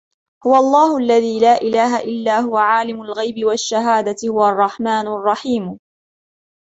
هُوَ اللَّهُ الَّذِي لَا إِلَهَ إِلَّا هُوَ عَالِمُ الْغَيْبِ وَالشَّهَادَةِ هُوَ الرَّحْمَنُ الرَّحِيمُ